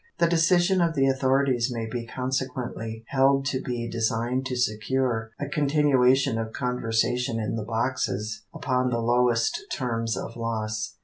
The decision of the authorities may be consequently held to be designed to secure a continuation of conversation in the boxes upon the lowest terms of loss.